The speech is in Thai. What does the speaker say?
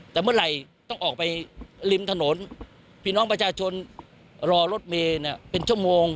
แต่เมื่อไหร่ต้องออกไปริมถนนพี่น้องประชาชนรอรถเมย์เป็นชั่วโมง